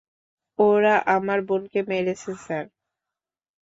ওরা আমার বোনকে মেরেছে, স্যার।